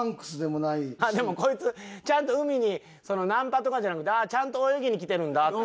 でもこいつちゃんと海にナンパとかじゃなくてああちゃんと泳ぎに来てるんだって。